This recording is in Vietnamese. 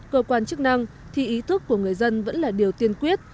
cơ quan chức năng thì ý thức của người dân vẫn là điều tiên quyết